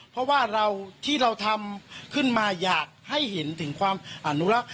เพราะว่าเราที่เราทำขึ้นมาอยากให้เห็นถึงความอนุรักษ์